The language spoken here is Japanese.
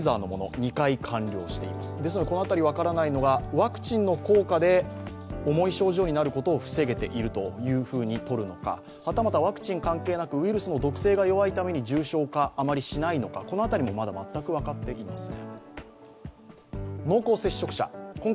ワクチンの効果で重い症状になるのを防げていると取るのかはたまたワクチンは関係なくウイルスの毒性が弱いから重症化、あまりしないのか、この辺りもまだ全く分かっていません。